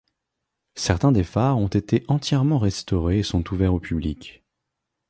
Certains des phares ont été entièrement restaurés et sont ouverts au public.